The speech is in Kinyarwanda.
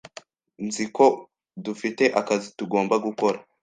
Nzi ko dufite akazi tugomba gukora.